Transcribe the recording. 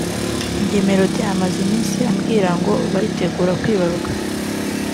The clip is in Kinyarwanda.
njye Melody amaze iminsi ambwira ngo baritegura kwibaruka